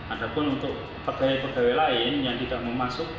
adapun untuk pegawai pegawai lain yang tidak memasuk